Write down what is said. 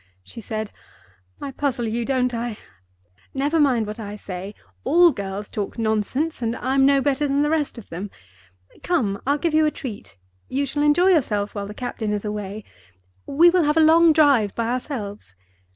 she said; "I puzzle you, don't I? Never mind what I say—all girls talk nonsense, and I'm no better than the rest of them. Come! I'll give you a treat. You shall enjoy yourself while the captain is away. We will have a long drive by ourselves.